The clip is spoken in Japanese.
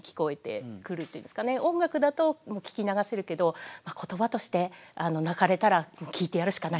音楽だと聞き流せるけど言葉として鳴かれたら聞いてやるしかないなと。